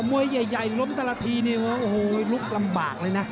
อ๋อมวยใหญ่ล้มแต่ละทีโหลุบลำบากเลยนะ